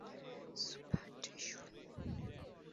Super, Trishul!